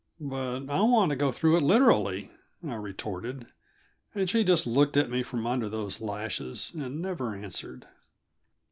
"But I want to go through it literally," I retorted. And she just looked at me from under those lashes, and never answered.